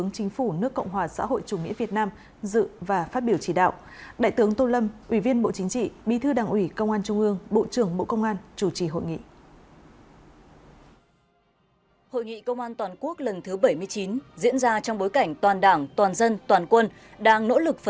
xin chào các bạn